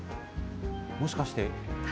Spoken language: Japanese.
もしかして。